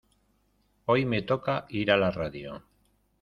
Hoy me toca ir a la radio